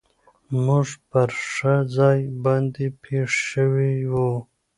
موږ پر ښه ځای باندې پېښ شوي و.